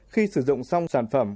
khi sử dụng xong sản phẩm